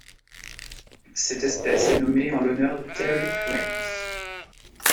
Cette espèce est nommée en l'honneur de Terry Raines.